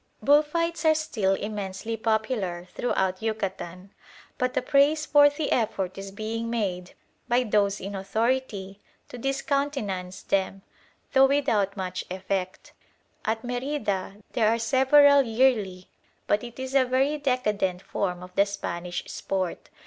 Bull fights are still immensely popular throughout Yucatan; but a praiseworthy effort is being made by those in authority to discountenance them, though without much effect. At Merida there are several yearly, but it is a very decadent form of the Spanish sport.